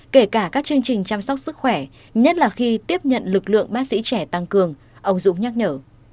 kể cả các chương trình chăm sóc sức khỏe nhất là khi tiếp nhận lực lượng bác sĩ trẻ tăng cường ông dũng nhắc nhở